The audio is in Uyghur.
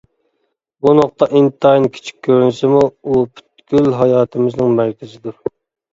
بۇ نۇقتا ئىنتايىن كىچىك كۆرۈنسىمۇ، ئۇ پۈتكۈل ھاياتىمىزنىڭ مەركىزىدۇر.